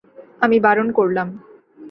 আমি বারণ করলাম।